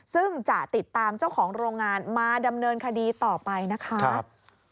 ซึ่งจะติดตามเจ้าของโรงงานมาดำเนินคดีต่อไปนะคะ